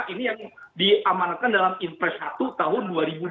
ini yang diamanakan dalam infrasatu tahun dua ribu dua puluh dua